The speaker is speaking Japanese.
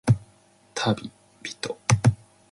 たびびと